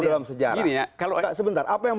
dalam sejarah sebentar apa yang